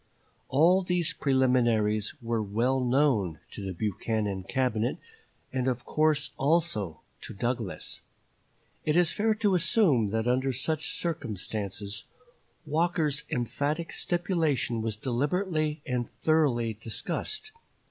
All these preliminaries were well known to the Buchanan Cabinet, and of course also to Douglas. It is fair to assume that under such circumstances Walker's emphatic stipulation was deliberately and thoroughly discussed.